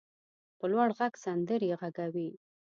په لوړ غږ سندرې غږوي.